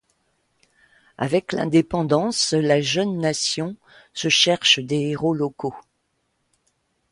Avec l'indépendance, la jeune nation se cherche des héros locaux.